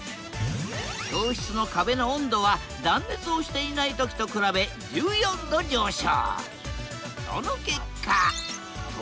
教室の壁の温度は断熱をしていない時と比べ１４℃上昇。